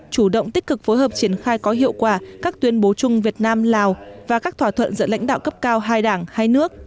chủ động tích cực phối hợp triển khai có hiệu quả các tuyên bố chung việt nam lào và các thỏa thuận giữa lãnh đạo cấp cao hai đảng hai nước